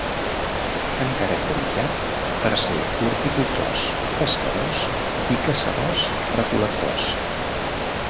S’han caracteritzat per ser horticultors, pescadors i caçadors-recol·lectors.